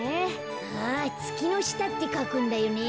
あつきのしたってかくんだよね。